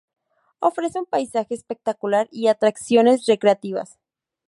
Ofrece un paisaje espectacular y atracciones recreativas.